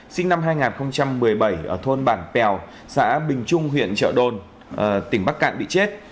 sinh năm hai nghìn một mươi bảy ở thôn bản pèo xã bình trung huyện trợ đồn tỉnh bắc cạn bị chết